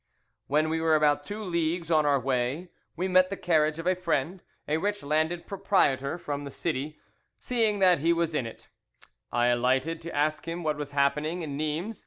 "When we were about two leagues on our way we met the carriage of a friend, a rich landed proprietor from the city; seeing that he was in it, I alighted to ask him what was happening at Nimes.